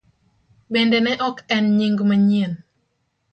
Bende ne ok en nying manyien.